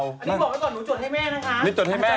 อันนี้บอกแล้วก่อนหนูจดให้แม่นะคะ